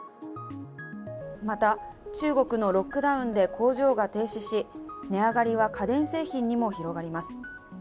また、中国のロックダウンで工場が停止し値上がりは家電製品にも広がります。